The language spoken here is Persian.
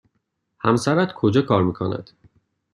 همسرت کجا کار می کند؟